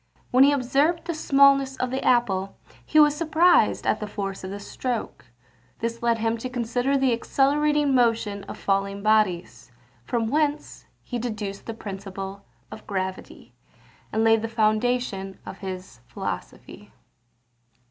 When he observed the smallness of the apple, he was surprised at the force of the stroke. This led him to consider the accelerating motion of falling bodies; from whence he deduced the principle of gravity, and laid the foundation of his philosophy.